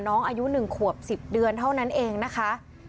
น้องอายุ๑ขวบ๑๐เดือนเท่านั้นเองนะคะ